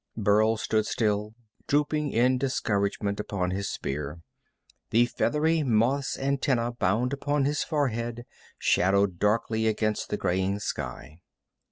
Burl stood still, drooping in discouragement upon his spear, the feathery moth's antennæ bound upon his forehead shadowed darkly against the graying sky.